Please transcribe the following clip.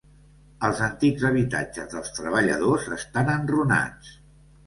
Els antics habitatges dels treballadors estan enrunats.